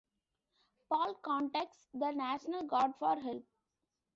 Paul contacts the National Guard for help.